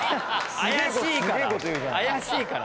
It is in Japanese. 怪しいから。